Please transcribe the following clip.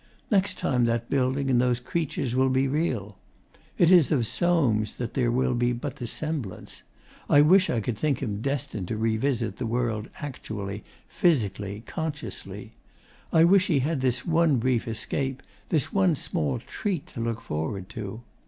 Next time, that building and those creatures will be real. It is of Soames that there will be but the semblance. I wish I could think him destined to revisit the world actually, physically, consciously. I wish he had this one brief escape, this one small treat, to look forward to.